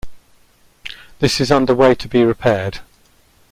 This is underway to be repaired.